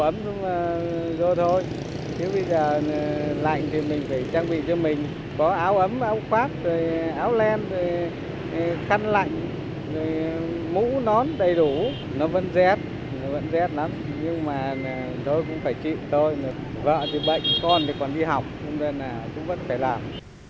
mũ nón đầy đủ nó vẫn rét nó vẫn rét lắm nhưng mà thôi cũng phải chịu thôi vợ thì bệnh con thì còn đi học nên là chúng vẫn phải làm